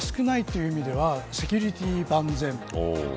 外敵が少ないという意味ではセキュリティー万全。